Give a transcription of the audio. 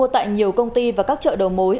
tại nhiều công ty và các chợ đầu mối